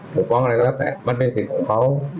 หรือป้องอะไรก็แล้วแต่มันเป็นสิ่งของเขา